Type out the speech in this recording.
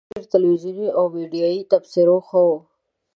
تر ډېرو تلویزیوني او میډیایي تبصرو ښه وه.